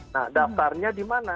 nah daftarnya dimaksud